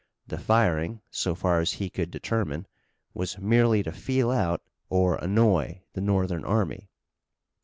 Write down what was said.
The firing, so far as he could determine, was merely to feel out or annoy the Northern army.